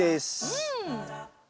うん！